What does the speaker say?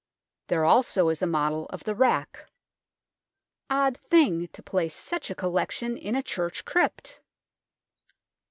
There also is a model of the rack. Odd thing to place such a collection hi a church crypt